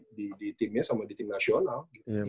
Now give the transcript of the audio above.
jadi bintang di timnya sama di tim nasional